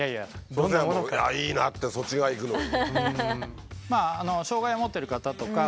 そしたらいいなってそっち側いくのに。